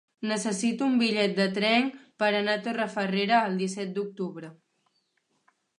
Necessito un bitllet de tren per anar a Torrefarrera el disset d'octubre.